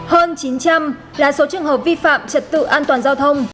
hơn chín trăm linh là số trường hợp vi phạm trật tự an toàn giao thông